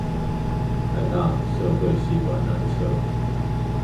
臺大社會系館南側